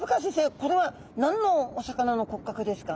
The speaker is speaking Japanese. これは何のお魚の骨格ですか？